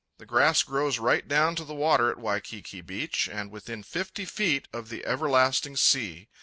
The grass grows right down to the water at Waikiki Beach, and within fifty feet of the everlasting sea.